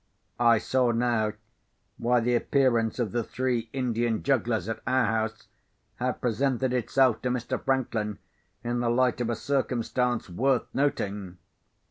I saw, now, why the appearance of the three Indian jugglers at our house had presented itself to Mr. Franklin in the light of a circumstance worth noting.